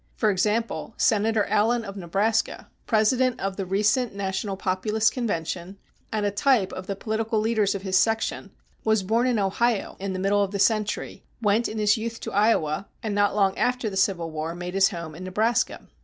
For example, Senator Allen of Nebraska, president of the recent national Populist Convention, and a type of the political leaders of his section, was born in Ohio in the middle of the century, went in his youth to Iowa, and not long after the Civil War made his home in Nebraska.